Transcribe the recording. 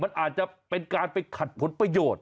มันอาจจะเป็นการไปขัดผลประโยชน์